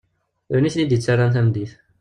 D win i ten-id-ttaren tameddit.